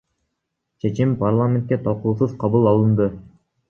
Чечим парламентте талкуусуз кабыл алынды.